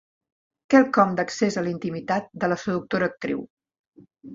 Quelcom d'accés a la intimitat de la seductora actriu.